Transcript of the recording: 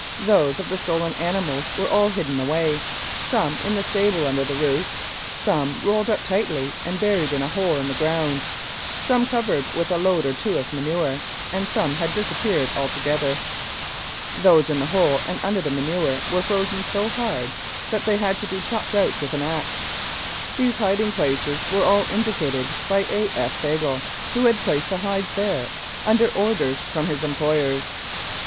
Those of the stolen animals were all hidden away some in the stable under the roof, some rolled up tightly and buried in a hole in the ground, some covered with a load or two of manure, and some had disappeared altogether. Those in the hole and under the manure were frozen so hard that they had to be chopped out with an axe. These hiding places were all indicated by A. F. Fagle, who had placed the hides there under orders from his employers.